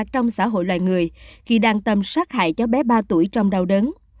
trong xã hội loài người kỳ đàn tâm sát hại cháu bé ba tuổi trong đau đớn